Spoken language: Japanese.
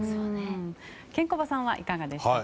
ケンコバさんはいかがでしょうか。